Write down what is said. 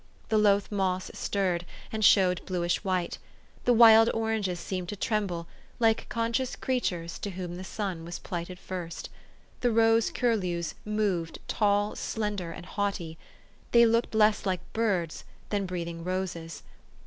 The loath moss stirred, and showed bluish white. The wild oranges seemed to tremble, like conscious creatures to whom the sun 438 THE STORY OF AVIS. was plighted first. The rose curlews moved, tall, slender, and haughty: they looked less like birds than breathing roses.